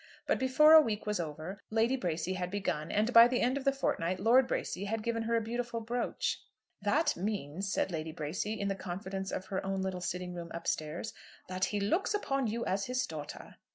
But before a week was over Lady Bracy had begun, and by the end of the fortnight Lord Bracy had given her a beautiful brooch. "That means," said Lady Bracy in the confidence of her own little sitting room up stairs, "that he looks upon you as his daughter."